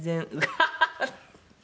ハハハハ！